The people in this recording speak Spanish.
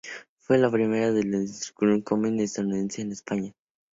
Fue la primera en distribuir cómic estadounidense en España.